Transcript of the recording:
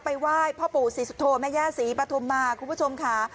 ไหว้พ่อปู่ศรีสุโธแม่ย่าศรีปฐุมมาคุณผู้ชมค่ะ